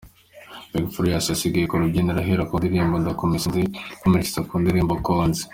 Big Farious yasigaye ku rubyiniro ahera ku ndirimbo 'Ndakumisinze', akomereza ku ndirimbo 'Konzi'.